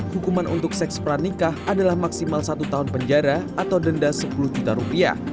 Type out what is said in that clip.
hukuman untuk seks pernikah adalah maksimal satu tahun penjara atau denda sepuluh juta rupiah